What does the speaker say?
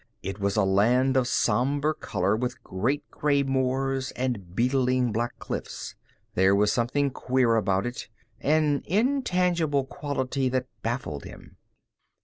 It was a land of somber color, with great gray moors, and beetling black cliffs. There was something queer about it, an intangible quality that baffled him.